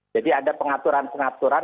jadi ada pengaturan pengaturan